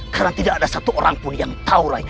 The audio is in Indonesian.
karena tidak ada satu orang pun yang tahu rai